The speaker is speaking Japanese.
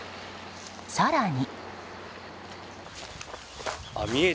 更に。